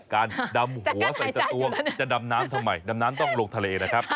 การดำหัวใส่สตวงจะดำน้ำทำไมดำน้ำต้องลงทะเลนะครับ